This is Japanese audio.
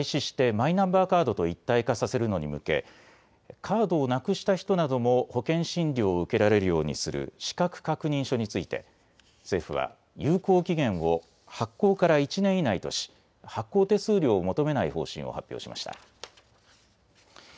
来年、秋に健康保険証を廃止してマイナンバーカードと一体化させるのに向けカードをなくした人なども保険診療を受けられるようにする資格確認書について政府は有効期限を発行から１年以内とし発行手数料を求めない方針を発表しました。